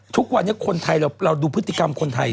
ทุกวันนี้คนไทยเราดูพฤติกรรมคนไทย